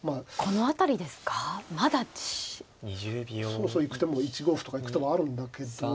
そろそろ行く手も１五歩とか行く手もあるんだけど。